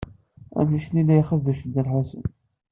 Amcic-nni la ixebbec Dda Lḥusin.